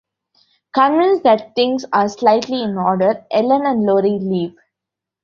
Convinced that things are slightly in order, Ellen and Lori leave.